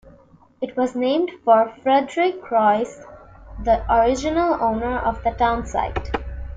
It was named for Frederick Royse, the original owner of the town site.